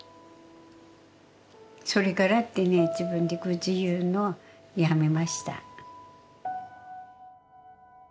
それからってね自分で愚痴言うのやめました。